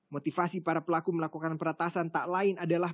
motivasi para pelaku melakukan peratasan tak lain adalah